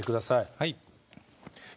はい。